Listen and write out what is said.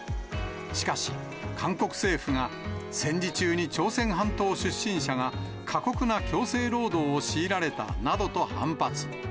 しかし、韓国政府が戦時中に朝鮮半島出身者が過酷な強制労働を強いられたなどと反発。